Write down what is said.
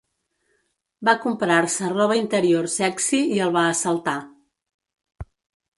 Va comprar-se roba interior sexi i el va assaltar.